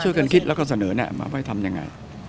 ช่วยกันคิดแล้วก็เสนอนี่มาไว้ทำอย่างไร